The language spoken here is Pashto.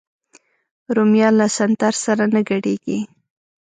رومیان له سنتر سره نه ګډېږي